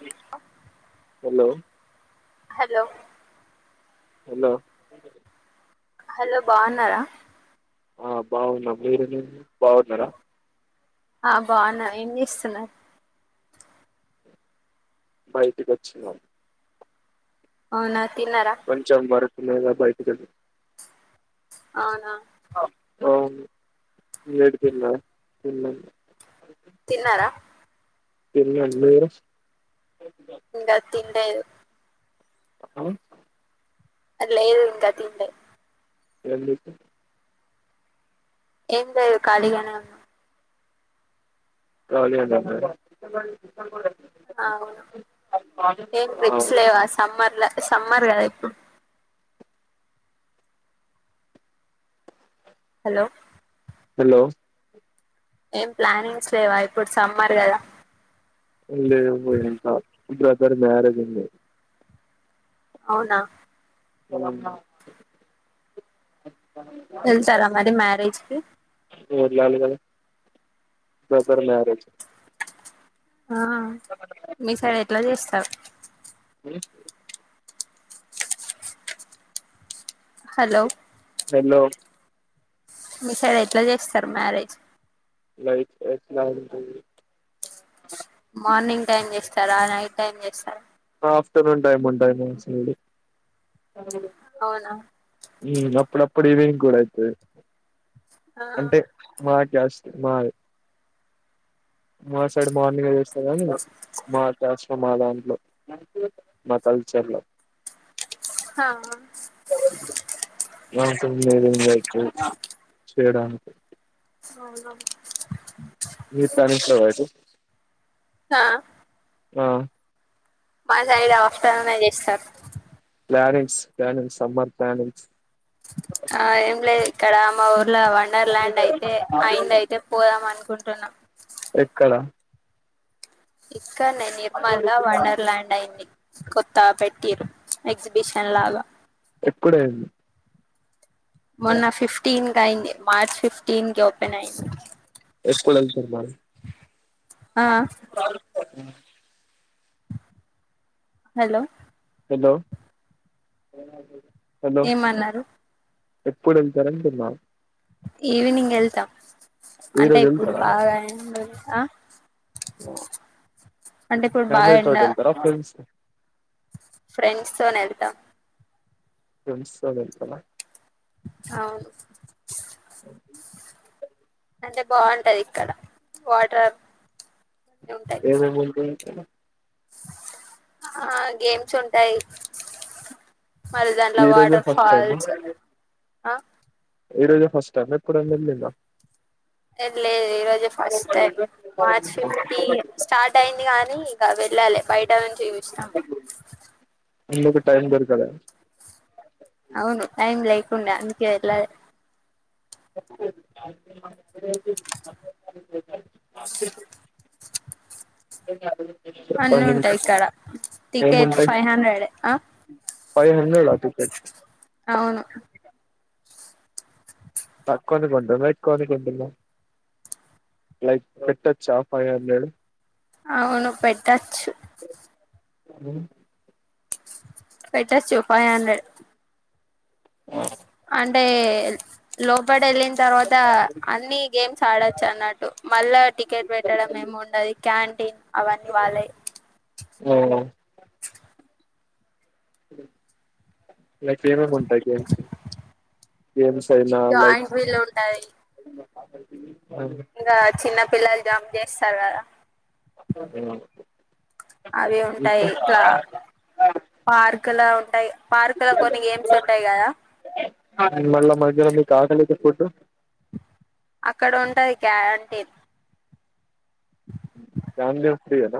అ hello hello hello hello బాగున్నారా ఆ బాగున్నా మీరు బాగున్నారా ఆ బాగున్నా ఏం చేస్తున్నారు బయటికి వచ్చిన అవునా తిన్నారా కొంచెం వర్క్ లేదా బయటికి వెల్ అవునా ఓ మీరు తిన్నారా తిన్నారా తిన్న మీరు ఇంకా తినలేదు ఆ లేదు ఇంకా తినలే ఎందుకు ఏం లేదు ఖాళీగానే ఉన్నా కాలి అవును ఏం ఆ ట్రిప్స్ లేవా సమ్మర్ల సమ్మర్ కదా ఇప్పుడు హలో హలో ఏం ప్లానింగ్స్ లేవా ఇప్పుడు సమ్మర్ కదా లేవు ఇంట్ల బ్రదర్ ది మ్యారేజ్ ఉంది అవునా ఉ వెళ్తారా మరి మ్యారేజ్ కి వెళ్లాలి కదా బ్రదర్ మ్యారేజ్ ఆ మీ సైడ్ ఎట్లా చేస్తారు [inaudible] హలో హలో మీ సైడ్ ఎట్లా చేస్తారు మ్యారేజ్ లైక్ ఎట్లా అంటే కదా నైట్ ఏం చేస్తారు ఆఫ్టర్నూన్ టైమ్ ఉంటాది నాకు తెలిసి ఉ అవునా ఈ అప్పుడప్పుడు ఈవినింగ్ కూడా అయితది ఆ అంటే మా జస్ట్ లైక్ మా సైడ్ మార్నింగ్ చేస్తారు గాని మా అతస్ మా దాంట్లో మా కల్చర్ లో ఆ [inaudible] చేయడానికి అ మీ [inaudible] హా ఆ మా సైడ్ ఆఫ్టర్నూన్ చేస్తారు. ప్లానింగ్స్ ప్లానింగ్స్ సమ్మర్ ఇకడ మా ఊరు లా వండర్ ల్యాండ్ అయితే అయిందయితే పోదాం అనుకుంటు [inaudible] ఎక్కడ ఇక్కనే నిర్మలా వండర్ ల్యాండ్ అయింది కొత్తా పెట్టిరు ఎగ్జిబిషన్ లాగా ఎప్పుడన్ మొన్న ఫిఫ్టీన్ తయింది మార్చ్ ఫిఫ్టీన్ కి ఓపెన్ అయింది. ఏ స్కూల్ల్ ఎళ్తున్నారు? ఆ హలో హలో హలో ఏమన్నారు? ఎప్పుడు వెళ్తారంటున్నా ఈవినింగ్ వెళ్తాం ఈ అంటే రోజు ఇప్పుడు వెళ్తారా బాగా ఎండ ఆ అంటే ఇప్పుడు బాగా ఫ్యామిలీ ఎండ తోటి వెళ్తారా ఫ్రెండ్స్ ఫ్రెండ్స్ తోని వెళ్తాం ఫ్రెండ్స్ తోని వెళ్తారా? అవును అంటే బాగుంటది ఇక్కడ వాటర్ అన్నీ ఉంటాయి ఏద బతే అ ఆ గేమ్స్ ఉంటాయి. మరి దాంట్లో ఈ రోజే వాటర్ ఫస్ట్ టైమా ఫాల్స్ ఆ ఈ రోజు ఫస్ట్ టైమ ఎప్పుడైన వెళ్లలేదా లేదు లేదు ఈరోజె first time March fifty start అయింది కానీ ఇక వెళ్ళాలి బయట నుంచి చూస్తాం అందుకు టైమ్ దొరకలే అవును టైం అందుకే ఎల్లాలి ఉమ్ అన్ని ఉంటాయి ఇక్కడ టికెట్ ఏముంటాయి ఫైవ్ హండ్రెడ్ పెట్నా ఫైవ్ హండ్రెడ్ ఆ టికెట్ అవును తక్కువని కొన్నారా ఎక్కువను కొన్నారా లైక్ పెట్టొచ్చా ఫైవ్ హండ్రెడ్ అవును పెట్టచ్చు మ్మ్ పెట్టచ్చు ఫైవ్ హండ్రెడ్ అంటే లోపల్ వెళ్ళిన తర్వాత అన్ని గేమ్స్ ఆడచ్చు అన్నట్టు మళ్ళా టికెట్ పెట్టడం ఏమి ఉండదు క్యాంటీన్ అవన్నీ వాళ్ళే ఓ లైక్ ఫ్రీడమ్ ఉంటాయి గేమ్స్ గేమ్స్ అయినా లైక్ జాయింట్ వీలు ఉంటాయి [inaudible] ఇంక చిన్న పిల్లలు [unintelligible] చేస్తారు కదా [inaudible] అవి ఉంటాయి ఇంకా ఇట్లా పార్కు లో ఉంటాయి పార్కు లో కొన్ని గేమ్స్ ఉంటాయి కదా మళ్ళ మధ్యలో మీకు ఆకలికి ఫుడ్డు అక్కడ ఉంటది క్యాంటీన్ క్యాంటీన్ ఫ్రీ యేన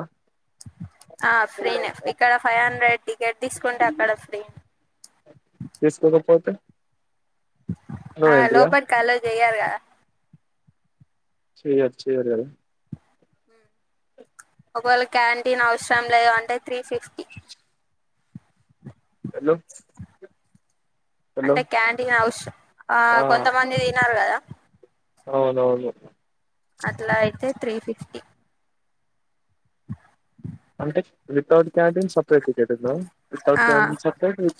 ఆ ఫ్రీనే ఇక్కడ ఫైవ్ హండ్రెడ్ టికెట్ తీసుకుంటే అక్కడ ఫ్రీ తీసుకోకపోతే నో ఆ ఎంట్రీ లోపలికి అలో చేయాలి కదా చేయరు చేయరు కదా ఒకవేళ క్యాంటీన్ అవసరం లేదు అంటే త్రీ ఫిఫ్టీ హలో హలో అంటే క్యాంటీన్ అవసరం ఆ కొంతమంది తినరు కదా అవునవును అట్లా అయితే త్రీ ఫిఫ్టీ అంటే వితౌట్ క్యాంటీన్ సప్ [unintelligible] సప్రేటు ఆ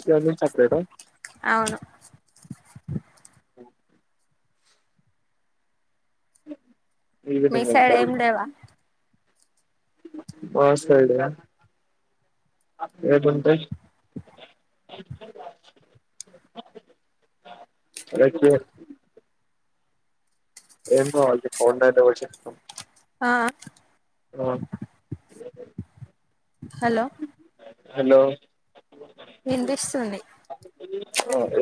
క్యాంటీన్ సప్రేటా అవును మీ ఈవినింగ్ సైడ్ వెళ్తారు ఏం లేవా మా సైడా ఎట్లుంటాయి ఏం [unintelligible] ఫోన్ పే కావాలి చెప్పు ఆ హలో హలో హలో వినిపిస్తుంది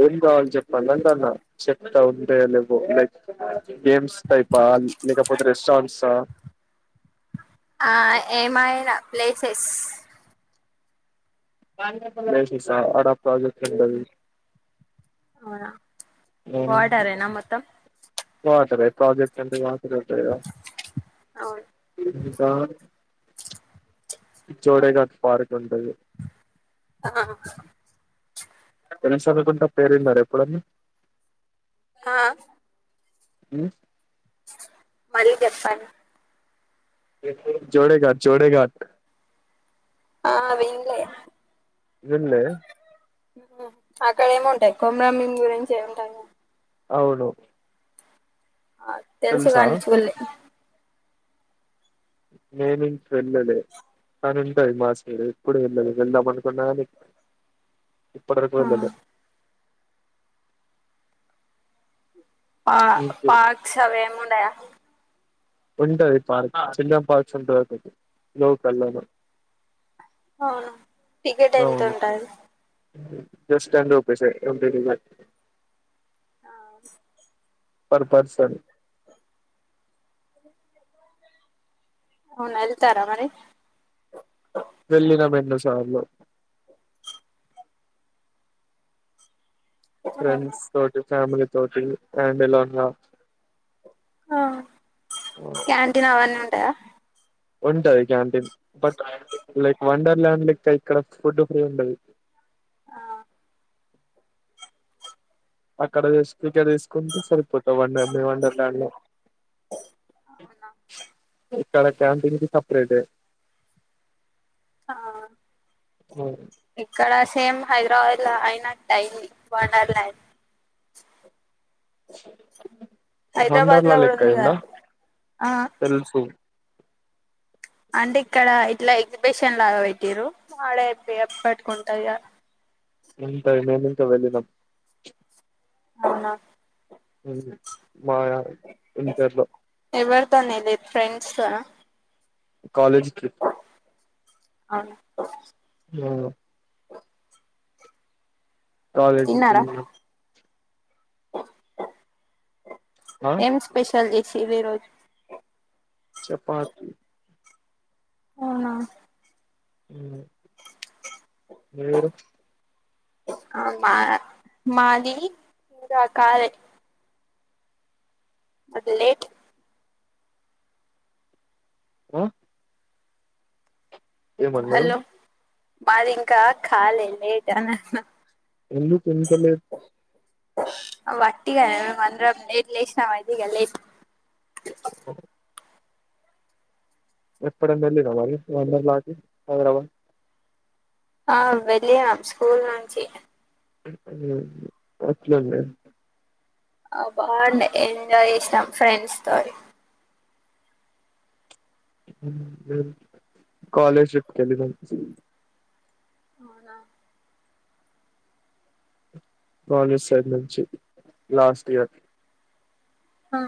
ఏం కావాలి చెప్ మళ్ళంటన్నా చెప్తా ఉంటే లేవో లైక్ గేమ్స్ టయిపా లేకపోతే రేష్ తంస ఆ ఏమైనా ప్లేసెస్ ప్లేసేసా ఆడ ప్రాజెక్టు ఉంటది అవునా వాటారేనా మొత్తం వాటరే ప్రాజెక్టు అంటే వా ఉంటాయి కదా అవును ఆ జోడేఘాట్ పార్క్ ఉంటది ఆ ఎంసలకుంట పేరు విన్నారా ఎప్పుడైనా ఆ ఉ మళ్లీ చెప్పం అండి జోడేఘాట్ జోడేఘాట్ ఆ విన్లే విన్లే అక్కడ ఏముంటాయి కుమురంభీం గురించి ఏముంటాయి అవును ఆ తెలుసు తెలుసా కానించుడాలే నేను ఇంకా వెళ్ళలే కాని ఉంటాయి మాసైడ్ ఎ ఎప్పుడు వెళ్ళలే వెళ్దాం అనుకున్నా కాని ఇప్పుడురకు ఆ వెళ్ళలే పా పాక్ష వేమండయా ఉంటది పార్క్ చిల్న్ పార్క్స్ ఉంటందిది లోకల్ లో అవునా టికెట్ ఎంత ఉంటది జస్ట్ టెన్ రూపీస్ ఎ ఆవు పర్ పర్సన్ అవును వెళ్తారా మరి వెళ్ళినం ఎన్నోసారా సార్ల ఫ్రెండ్స్ తోటి ఫ్యామిలీ తోటి ఆండలోనా ఆ క్యాంటీన్ అవని ఉ టాయి ఉంటది canteen but like wonderland లేక్క ఇక్కడ ఫుడ్ ఫ్రీ ఉండాది ఆ అక్కడ తీసి ఇక్కడ తీసుకుంటే సరి కొత్త బండి వద్దు ఏమనలే బండి అవునా ఇక్కడ క్యాంటీన్ కి సపరేట్ ఆ ఇక్కడ అస సేమ్ హైదరాబాద్ ల అయినట్టు అయింది వండర్ లాండ్ చుదువు కోని లో వండర్లా కూడా ఉంది కదా లెక్కయ్యిందా ఆ తెలుసు అంటే ఇక్కడ ఇట్లా ఎగ్జిబిషన్ లాగా పెట్టరు వాడే ఎ పెట్టుకుంటా ఏంత నేను ఇంత వెళ్ళినం అవునా అవును ఎవరితోనే ఎల్లి ఫ్రెండ్ సోనా కాలేజ్ ట్రిప్ అవునా కాలేజీ తిన్నారా పిల్లలు ఆ ఎం స్పెషల్ చే శివ ఈ రోజు చపాతి అవునా ఊ మీరు ఆ మా మాది ఇంగ కాలే అది లేట్ ఆ ఏం అన్నారు హలో మాది ఇంకా కాలే లేట్ అని అన్న ఎందుకు ఇంత లేట్ వట్టిగా మేము అందరం లేట్ లేశినం ఐతే ఇగ లేసి [inaudible] ఎప్పుడన్నా వెళ్లిర్రా మరి వండర్లా కి హైదరాబాద్ ఆ వెళ్ళినం స్కూల్ నుంచి ఎట్లండి ఆ బాగుండే ఎంజయ్ చేసినం ఫ్రెండ్స్ తోటి ఉహు హు కాలేజ్ ట్రిప్ కి వెళ్లినము చి అవునా కాలేజ్ సైడ్ నుంచి లాస్ట్ ఇయర్ హ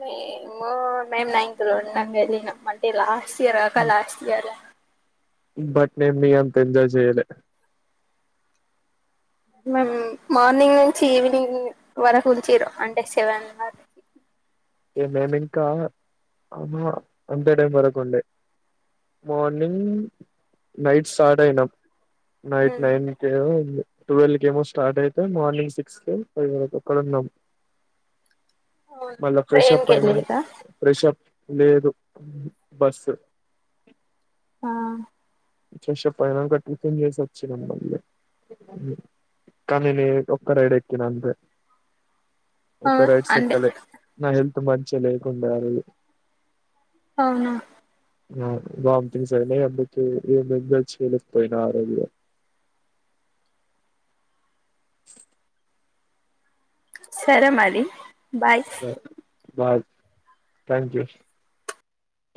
మేము నేను నైన్త్ లా ఉండంగ ఎళ్లిన అంటే లాస్ట్ సి రాక లాస్ట్ ఇయర్ ల బట్ నే మీ అంత ఎంజాయ్ చేయలే మేమ్ మార్నింగ్ నుంచి ఈవినింగ్ వరకు ఉంచిరు అంటే సెవెన్ అ ఏ మెమింకా అమా అంతే టైం వరకుండే మార్నింగ్ నైట్ స్టార్ట్ అయినాం నైట్ ఉమ్ నైన్ కి ట్వెల్వ్ కి ఏమో స్టార్ట్ అయితె మార్నింగ్ సిక్స్ క ఫైవ్ అక్కడ ఉన్నాము అవును ఫ్రెష్ ట్రైన్ అప్ కి అయినాము వెళ్ళిర్రా ఫ్రెష్ అ ప్ లేదు బస్ ఆ ఫ్రెష్ అప్ అయినంక టిఫిన్ చేసోచ్చినం మళ్ళీ కానీ నే ఒక్క రైడ్ ఎక్కిన అంతె ఎక్కువ రైడ్స్ అంటే ఎక్కలే నా హెల్ త్ మంచిగ లేకుండె ఆరోజు అవునా ఆ వాంటింగ్స్ అయినాయి అందుకె ఏం ఎంజాయ్ చేయలేకపోయిన ఆరోజు [inaudible] సరే మరి బాయ్ సరె బాయ్ థ్యాంక్ యు